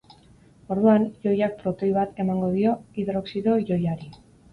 Orduan, ioiak protoi bat emango dio hidroxido ioiari.